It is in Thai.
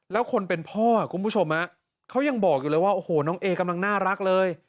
แล้วคนเป็นพ่อคุณผู้ชมเขายังบอกอยู่เลยว่าโอ้โหน้องเอกำลังน่ารักเลย